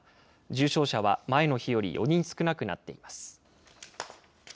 重症者は前の日より４人少なくなっています。